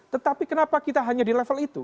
tetapi kenapa kita hanya di level itu